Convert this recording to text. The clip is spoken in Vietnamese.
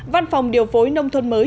văn phòng điều phối nông thuận mới